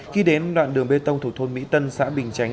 khi đến đoạn đường bê tông thuộc thôn mỹ tân xã bình chánh